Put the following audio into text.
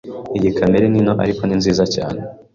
Iyi kamera ni nto, ariko ni nziza cyane.